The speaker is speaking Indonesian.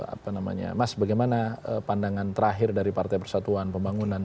apa namanya mas bagaimana pandangan terakhir dari partai persatuan pembangunan